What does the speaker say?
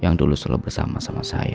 yang dulu selalu bersama sama saya